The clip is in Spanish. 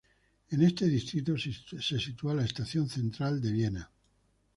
En este distrito se sitúa la Estación central de Viena.